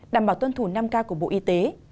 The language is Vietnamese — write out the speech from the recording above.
đảm bảo tuân thủ năm k của bộ y tế